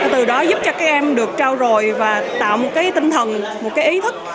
từ đó giúp cho các em được trao dồi và tạo một tinh thần một ý thức